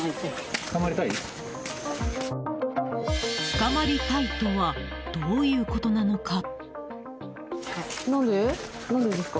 捕まりたいとはどういうことなのか。